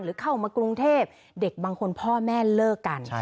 เข้ามากรุงเทพเด็กบางคนพ่อแม่เลิกกัน